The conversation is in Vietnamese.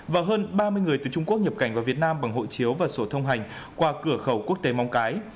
và hơn ba mươi người từ trung quốc nhập cảnh vào việt nam bằng hộ chiếu và sổ thông hành qua cửa khẩu quốc tế móng cái